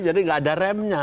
jadi nggak ada remnya